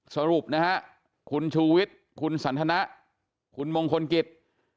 สรุปนะฮะคุณชูวิทย์คุณสันทนะคุณมงคลกิจ